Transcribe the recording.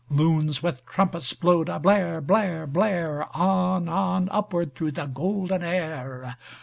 Loons with trumpets blowed a blare, blare, blare, On, on upward thro' the golden air!